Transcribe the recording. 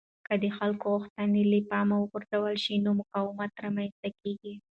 که د خلکو غوښتنې له پامه وغورځول شي نو مقاومت رامنځته کېږي